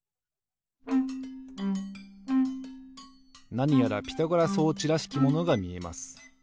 なにやらピタゴラ装置らしきものがみえます。